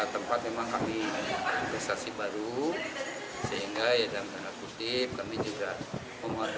tempat memang kami investasi baru sehingga ya dalam tanda kutip kami juga